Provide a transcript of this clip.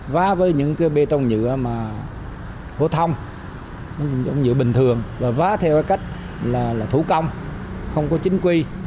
vá với những bê tông nhựa hỗ thông nhựa bình thường và vá theo cách là thủ công không có chính quy